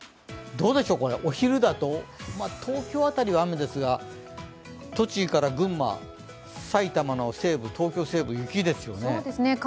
どうでしょう、お昼だと東京辺りは雨ですが、栃木から群馬、埼玉の西部東京西部、雪ですよね。